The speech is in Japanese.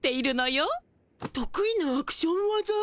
得意なアクション技？